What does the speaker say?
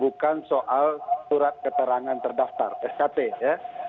bukan soal surat keterangan terdaftar skt ya